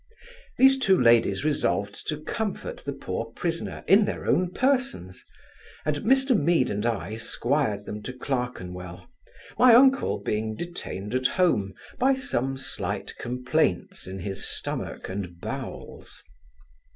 These two ladies resolved to comfort the poor prisoner in their own persons, and Mr Mead and I 'squired them to Clerkenwell, my uncle being detained at home by some slight complaints in his stomach and bowels.